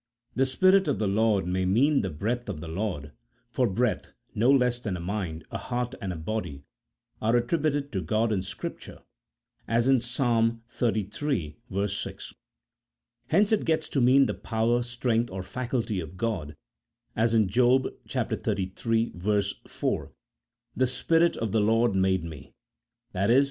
The Spirit of the Lord may mean the breath of the Lord, for breath, no less than a mind, a heart, and a body are attributed to God in Scripture, as in Ps. xxxiii. 6. Hence it gets to mean the power, strength, or faculty of God, as in Job xxxiii. 4, " The Spirit of the Lord made me," i.e.